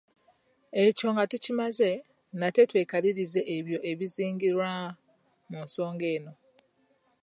Ekyo nga tukimaze nate twekalirize ebyo ebizingirwa mu nsomesa eno